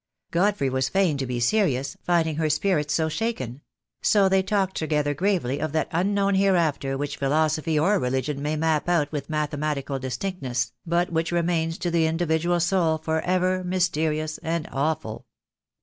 Godfrey was fain to be serious, finding her spirits so shaken; so they talked together gravely of that unknown hereafter which philosophy or religion may map out with mathematical distinctness, but which remains to the indi vidual soul for ever mysterious and awful.